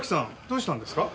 どうしたんですか？